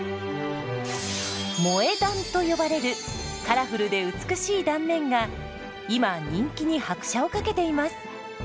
「萌え断」と呼ばれるカラフルで美しい断面が今人気に拍車をかけています。